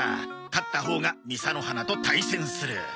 勝ったほうがみさの花と対戦する。